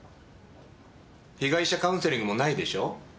被害者カウンセリングもないでしょ？